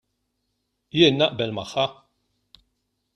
Jien naqbel magħha.